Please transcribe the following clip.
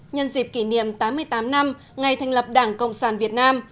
nhân dịp kỷ niệm tám mươi tám năm ngày thành lập đảng cộng sản việt nam